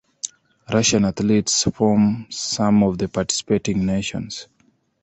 Russian athletes form some of the participating nations.